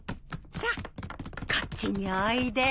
さあこっちにおいで。